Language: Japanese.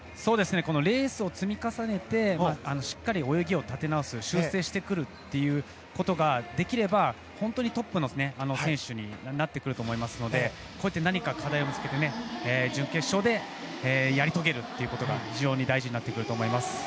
レースを積み重ねてしっかり泳ぎを立て直す修正してくるということができれば本当にトップの選手になってくると思いますのでこうやって何か課題を見つけて準決勝でやり遂げることが非常に大事になってくると思います。